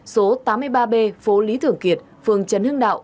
số tám mươi ba b phố lý thường kiệt phường trấn hưng đạo